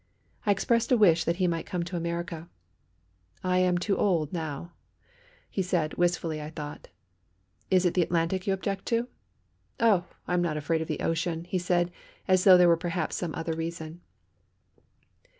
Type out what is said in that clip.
I expressed a wish that he might come to America. "I am too old now," he said, wistfully, I thought. "Is it the Atlantic you object to?" I asked. "Oh! I am not afraid of the ocean," he said, as though there were perhaps some other reason.